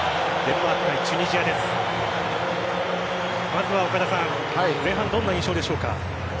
まずは岡田さん前半、どんな印象でしょうか？